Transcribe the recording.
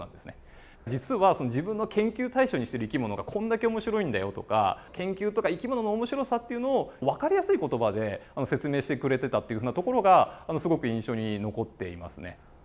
実は自分の研究対象にしてる生き物がこんだけ面白いんだよとか研究とか生き物の面白さっていうのをわかりやすい言葉で説明してくれてたっていうふうなところがすごく印象に残っていますね。